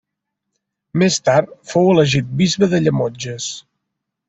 Més tard fou elegit bisbe de Llemotges.